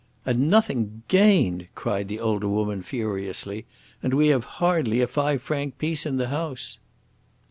"And nothing gained!" cried the older woman furiously. "And we have hardly a five franc piece in the house."